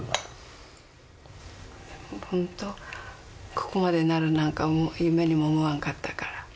本当ここまでなるなんかもう夢にも思わんかったから。